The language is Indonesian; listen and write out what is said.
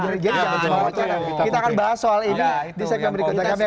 jadi jangan coba coba